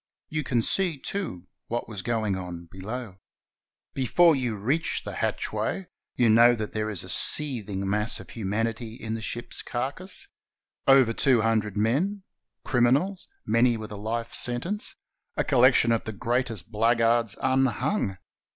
You can see, too, what was going on below. Before you reach the hatchway you know that there is a seething mass of humanity in the ship's carcass — over two himdred men, criminals, many with a Hfe sentence, a collection of the greatest blackguards unhung.